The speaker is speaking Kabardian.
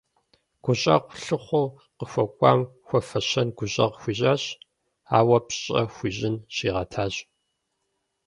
Гущӏэгъу лъыхъуэу къыхуэкӏуам хуэфащэн гущӏэгъу хуищӏащ, ауэ пщӏэ хуищӏын щигъэтащ.